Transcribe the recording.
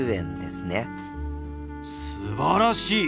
すばらしい！